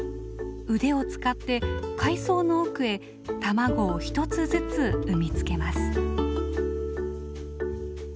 腕を使って海藻の奥へ卵を１つずつ産み付けます。